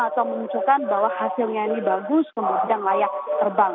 atau menunjukkan bahwa hasilnya ini bagus kemudian layak terbang